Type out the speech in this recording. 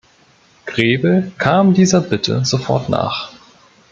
Grebel kam dieser Bitte sofort nach.